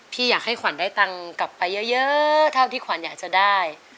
อยากให้ขวัญได้ตังค์กลับไปเยอะเท่าที่ขวัญอยากจะได้